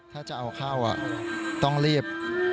ถ้าจะเอาเข้าต้องรีบ